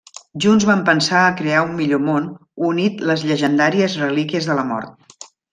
Junts van pensar a crear un millor món, unint les llegendàries Relíquies de la Mort.